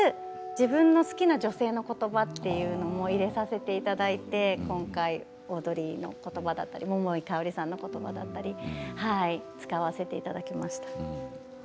自分の好きな女性のことばというのも入れさせていただいて、今回オードリーのことばだったり桃井かおりさんのことばだったり使わせていただきました。